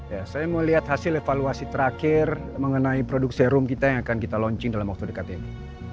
ya saya mau lihat hasil evaluasi terakhir mengenai produk serum kita yang akan kita launching dalam waktu dekat ini